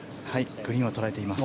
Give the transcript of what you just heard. グリーンは捉えています。